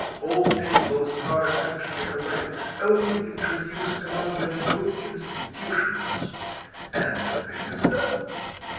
All peoples are essentially alike; only introduce among them good institutions, and the thing is done.